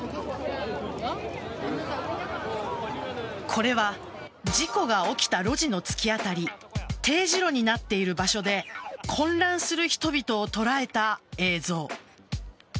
これは事故が起きた路地の突き当たり丁字路になっている場所で混乱する人々を捉えた映像。